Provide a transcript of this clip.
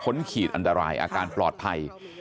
ขีดอันตรายอาการปลอดภัย